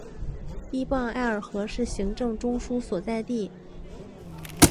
依傍艾尔河是行政中枢所在地。